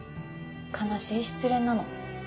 悲しい失恋なの。